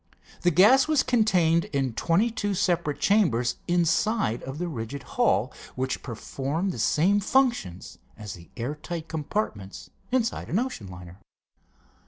The gas was contained in twenty two separate chambers inside of the rigid hull, which performed the same functions as the air tight compartments inside an ocean liner.